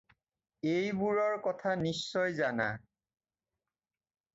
এইবোৰৰ কথা নিশ্চয় জানা।